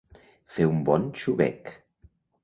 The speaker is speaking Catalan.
Fer un bon xubec.